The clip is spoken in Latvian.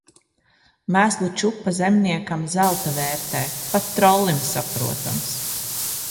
Mēslu čupa zemniekam zelta vērtē. Pat trollim saprotams.